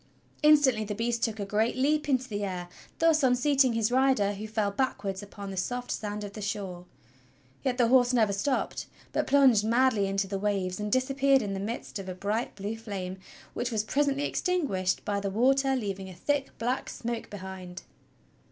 Instantly the beast took a great leap into the air, thus unseating his rider who fell backwards upon the soft sand of the shore. Yet the horse never stopped, but plunged madly into the waves and disappeared in the midst of a bright blue flame which was presently extinguished by the water leaving a thick black smoke behind.